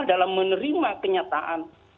dalam menerima kenyataan